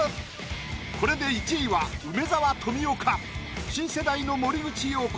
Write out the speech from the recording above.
これで１位は梅沢富美男か新世代の森口瑤子